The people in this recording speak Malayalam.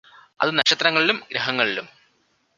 അത് നക്ഷത്രങ്ങളിലും ഗ്രഹങ്ങളിലും